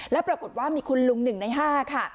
แล้วปรากฏว่ามีคุณลุง๑ใน๕ค่ะ